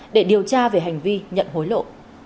để điều tra về hành vi nhận hối lộ